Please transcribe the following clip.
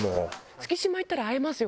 月島行ったら会えますよ